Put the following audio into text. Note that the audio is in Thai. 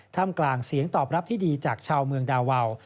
กลางเสียงตอบรับที่ดีจากชาวเมืองดาวาว